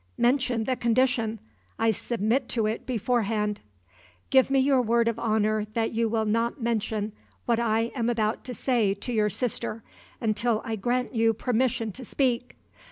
"Mention the condition! I submit to it before hand." "Give me your word of honor that you will not mention what I am about to say to your sister until I grant you permission to speak.